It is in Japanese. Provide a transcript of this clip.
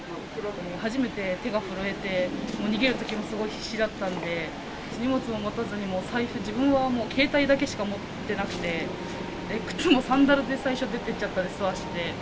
初めて手が震えて、もう逃げるときもすごい必死だったんで、荷物も持たずに、最初、自分は携帯だけしか持ってなくて、靴もサンダルで、最初出ていっちゃったり、素足で。